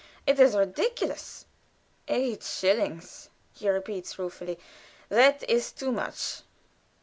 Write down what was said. "It is ridiculous." "Eight shillings!" he repeats, ruefully. "That is too much."